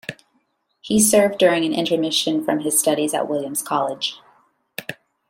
He served during an intermission from his studies at Williams College.